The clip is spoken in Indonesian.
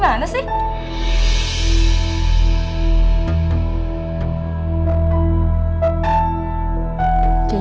kayaknya udah sepi deh